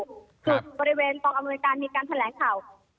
คือบริเวณตองอเมริกานมีการแถลงข่าว